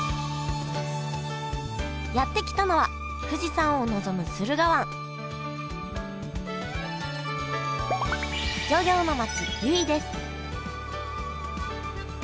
やって来たのは富士山を望む駿河湾漁業の町由比です